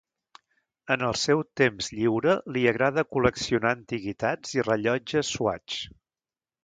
En el seu temps lliure, li agrada col·leccionar antiguitats i rellotges Swatch.